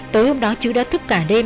tối hôm đó chứ đã thức cả đêm